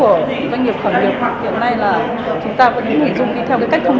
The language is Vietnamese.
vừa khẩn nghiệp khó vừa tiếp cận được vốn tín dụng